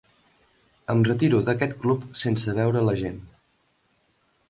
Em retiro d’aquest club sense veure la gent.